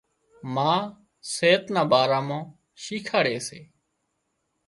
ما صحت نا ڀارا مان شيکاڙي سي